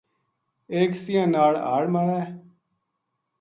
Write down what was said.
ایک سیئاں ناڑ ہاڑ مارے